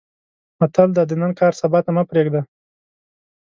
متل دی: د نن کار سبا ته مه پرېږده.